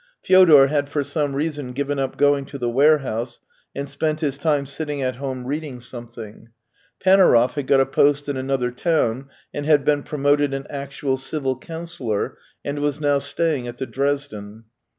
Fyodor had for some reason given up going to the warehouse and spent his time sitting at home writing something. Panaurov had got a post in another town, and had been promoted an actual civil councillor, and was now staying at the Dresden.